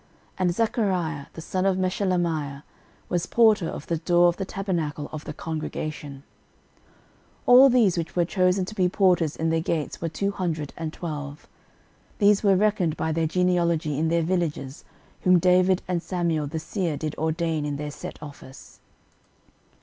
13:009:021 And Zechariah the son of Meshelemiah was porter of the door of the tabernacle of the congregation. 13:009:022 All these which were chosen to be porters in the gates were two hundred and twelve. These were reckoned by their genealogy in their villages, whom David and Samuel the seer did ordain in their set office.